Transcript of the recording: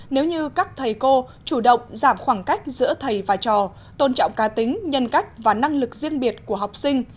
nếu như các thầy cô chủ động giảm khoảng cách giữa thầy và trò tôn trọng cá tính nhân cách và năng lực riêng biệt của học sinh